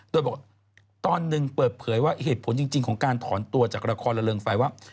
โดยบอกตอนหนึ่งเปิดเผยว่าเหตุผลจริงของการถอนตัวจากละครระเริงไฟว่า